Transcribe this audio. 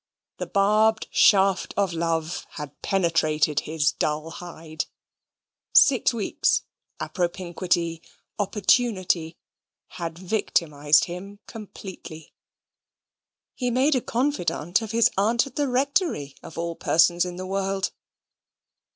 The barbed shaft of love had penetrated his dull hide. Six weeks appropinquity opportunity had victimised him completely. He made a confidante of his aunt at the Rectory, of all persons in the world.